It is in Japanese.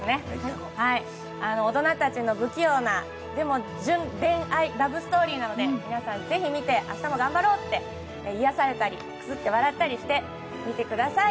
大人たちの不器用な、純恋愛ラブストーリーなので、皆さんぜひ見て、明日も頑張ろうって癒やされたりくすっと笑ったりして見てください。